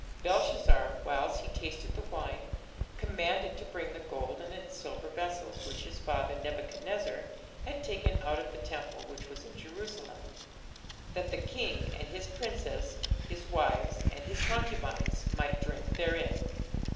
Belshazzar, whiles he tasted the wine, commanded to bring the golden and silver vessels which his father Nebuchadnezzar had taken out of the temple which was in Jerusalem; that the king, and his princes, his wives, and his concubines, might drink therein....